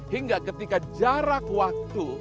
hingga ketika jarak waktu